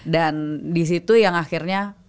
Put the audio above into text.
dan di situ yang akhirnya